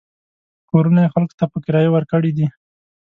کورونه یې خلکو ته په کرایه ورکړي دي.